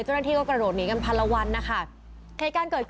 เจ้นเที่ยวกระโดดหนีกันพันละวันนะคะเสร็จการกระโดดขึ้น